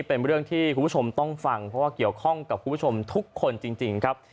เป็นเรื่องที่คุณผู้ชมต้องฟังเพราะว่าเกี่ยวข้องกับคุณผู้ชมทุกคนจริงครับ